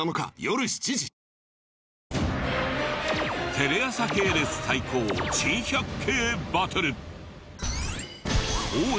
テレ朝系列対抗珍百景バトル。